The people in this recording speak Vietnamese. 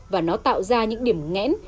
và nó tạo ra những điểm nghẽn